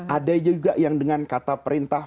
ada juga yang dengan kata perintah